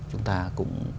chúng ta cũng